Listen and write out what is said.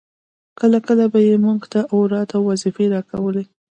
کله کله به يې موږ ته اوراد او وظيفې راکولې.